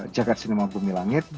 jagad cinema pun hilang